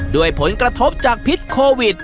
ด้วยผลกระทบจากพิษโควิด